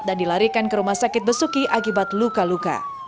dan dilarikan ke rumah sakit besuki akibat luka luka